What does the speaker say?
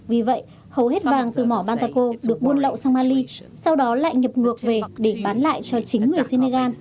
vì vậy hầu hết vàng từ mỏ bantaco được buôn lậu sang mali sau đó lại nhập ngược về để bán lại cho chính người senegal